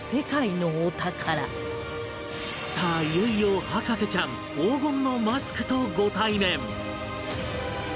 さあいよいよ博士ちゃん黄金のマスクとご対面！